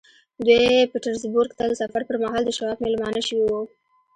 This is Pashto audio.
دوی پيټرزبورګ ته د سفر پر مهال د شواب مېلمانه شوي وو.